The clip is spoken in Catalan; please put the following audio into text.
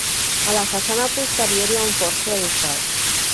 A la façana posterior hi ha un porxo adossat.